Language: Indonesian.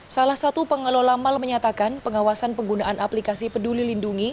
salah satu pengelola mal menyatakan pengawasan penggunaan aplikasi peduli lindungi